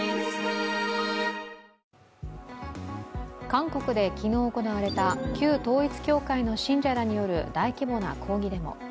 韓国で昨日行われた旧統一教会の信者らによる大規模な抗議デモ。